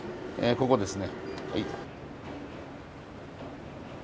ここですね。